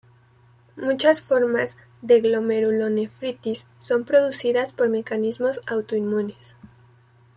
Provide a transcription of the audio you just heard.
Muchas formas de glomerulonefritis son producidas por mecanismos autoinmunes.